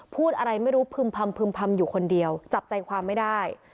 พูดอะไรไม่รู้พึ่มพำพึ่มพำอยู่คนเดียวจับใจความไม่ได้